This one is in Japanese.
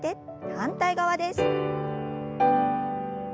反対側です。